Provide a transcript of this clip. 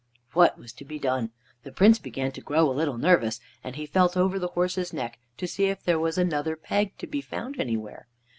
What was to be done? The Prince began to grow a little nervous, and he felt over the horse's neck to see if there was another peg to be found anywhere.